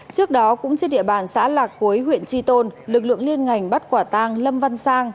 trước đó cũng trên địa bàn xã lạc cuối huyện tri tôn lực lượng liên ngành bắt quả tăng lâm văn sang